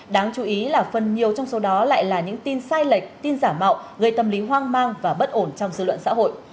đáng chú ý là phần nhiều trong số đó lại là những tin sai lệch tin giả mạo gây tâm lý hoang mang và bất ổn trong dư luận xã hội